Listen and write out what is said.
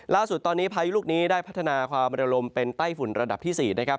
ล่าสุดตอนนี้พายุลูกนี้ได้พัฒนาความระลมเป็นไต้ฝุ่นระดับที่๔นะครับ